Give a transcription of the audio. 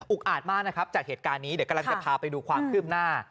อาจมากนะครับจากเหตุการณ์นี้เดี๋ยวกำลังจะพาไปดูความคืบหน้า